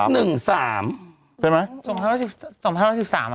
ใช่ไหม